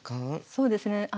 そうですね